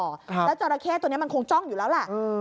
ครับแล้วจอราเคตัวเนี้ยมันคงจ้องอยู่แล้วแหละอืม